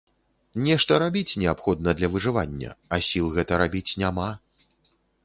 Нешта рабіць неабходна для выжывання, а сіл гэта рабіць няма.